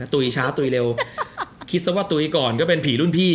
ตุ๋ยช้าตุ๋ยเร็วคิดซะว่าตุ๋ยก่อนก็เป็นผีรุ่นพี่